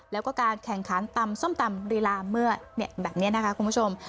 แล้วก็การแข่งขันตำส้มตำลีลาเมื่อแบบนี้นะคะคุณผู้ชม